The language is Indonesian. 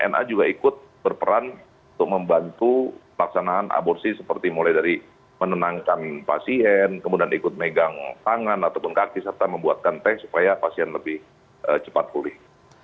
na juga ikut berperan untuk membantu pelaksanaan aborsi seperti mulai dari menenangkan pasien kemudian ikut megang tangan ataupun kaki serta membuatkan tank supaya pasien lebih cepat pulih